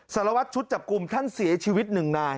สารวัตรชุดจับกลุ่มท่านเสียชีวิตหนึ่งนาย